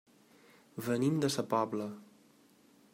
Venim de sa Pobla.